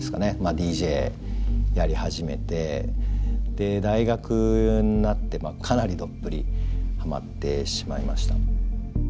ＤＪやり始めて大学になってかなりどっぷりハマってしまいました。